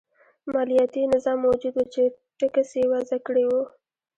مالیاتي نظام موجود و چې ټکس یې وضعه کړی و.